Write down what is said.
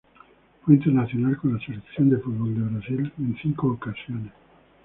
Fue internacional con la Selección de fútbol de Brasil en cinco ocasiones.